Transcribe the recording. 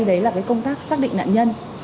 cái khó khăn ở đây là công tác xác định nạn nhân